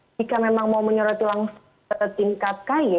jika memang mau menyerah tulang setingkat kaye